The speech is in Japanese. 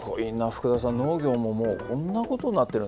福田さん農業ももうこんなことになってるんですね。